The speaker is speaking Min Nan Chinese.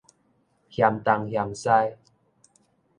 嫌東嫌西